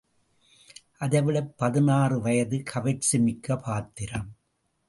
அதைவிட பதினாறு வயது கவர்ச்சி மிக்க பாத்திரம்.